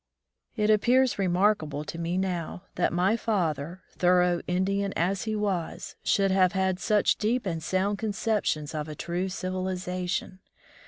It appears remarkable to me now that my father, thorough Indian as he was, should have had such deep and sound con ceptions of a true civilization.